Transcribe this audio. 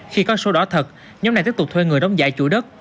khi có sổ đỏ thật nhóm này tiếp tục thuê người đóng giải chủ đất